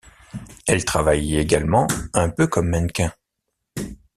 Elle travaille également un peu comme mannequin.